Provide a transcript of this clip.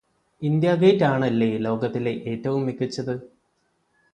ഇന്ത്യഗേറ്റാണല്ലേ ലോകത്തിലെ ഏറ്റവും മികച്ചത്